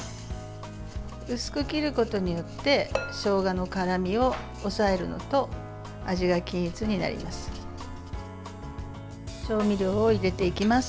薄く切ることによってしょうがの辛みを抑えるのと味が均一になります。